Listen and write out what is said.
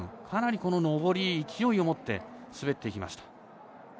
かなり上り、勢いを持って滑っていきました。